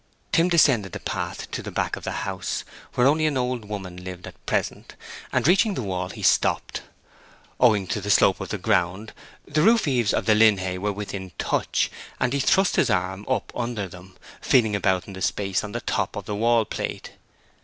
Tim descended the path to the back of the house, where only an old woman lived at present, and reaching the wall he stopped. Owing to the slope of the ground the roof eaves of the linhay were here within touch, and he thrust his arm up under them, feeling about in the space on the top of the wall plate.